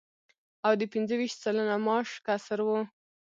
او د پنځه ویشت سلنه معاش کسر و